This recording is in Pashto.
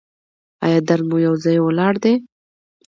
ایا درد مو یو ځای ولاړ دی؟